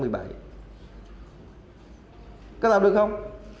các làm được không